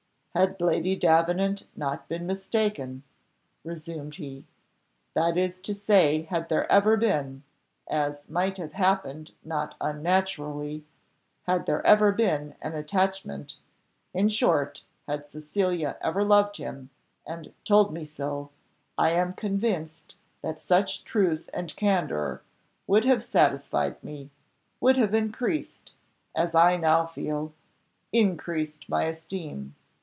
"Had Lady Davenant not been mistaken," resumed he, "that is to say had there ever been as might have happened not unnaturally had there ever been an attachment; in short, had Cecilia ever loved him, and told me so, I am convinced that such truth and candour would have satisfied me, would have increased as I now feel increased my esteem.